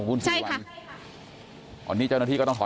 คุณภาคภูมิพยายามอยู่ในจุดที่ปลอดภัยด้วยนะคะ